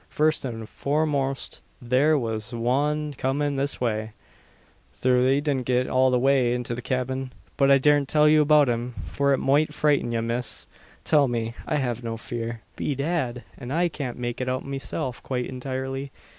First an foremost there was wan comin' this way, though he didn't git all the way to the cyabin. But I daren't tell you about him, for it moight frighten ye, miss." "Tell me. I have no fear." "Be dad! and I can't make it out meself quite intirely.